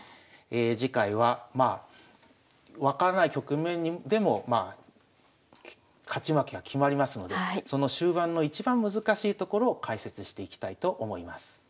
次回はまあ分からない局面でもまあ勝ち負けは決まりますのでその終盤の一番難しいところを解説していきたいと思います。